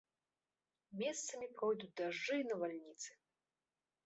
Месцамі пройдуць дажджы і навальніцы.